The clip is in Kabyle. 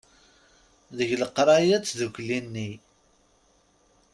Deg leqraya d tdukkli-nni.